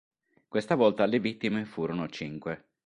Questa volta le vittime furono cinque.